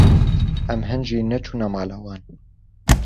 Em hîn jî neçûne mala wan.